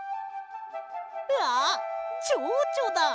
あっチョウチョだ！